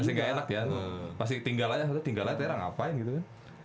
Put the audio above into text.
pasti gak enak ya pasti tinggal aja tinggal aja tera ngapain gitu kan